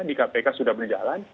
di kpk sudah berjalan